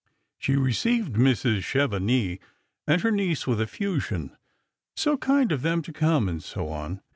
She received Mrs. Chevenix and her niece with eflFusion: so kind of them to come, and so on.